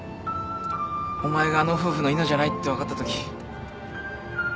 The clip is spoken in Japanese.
お前があの夫婦の犬じゃないって分かったとき。